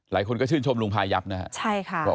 หลายคนก็ชื่นชมลุงพายับนะครับ